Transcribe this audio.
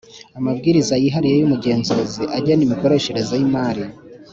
Amabwiriza yihariye y’ umugenzuzi agena imikoreshereze y’Imari